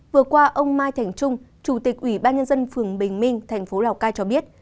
vừa qua ông mai thành trung chủ tịch ủy ban nhân dân phường bình minh thành phố lào cai cho biết